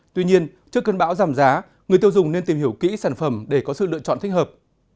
tuy nhiên trước cơn bão giảm giá người tiêu dùng nên tìm hiểu kỹ sản phẩm để có sự lựa chọn thích hợp